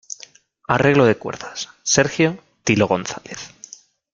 Arreglo de cuerdas: Sergio "Tilo" González.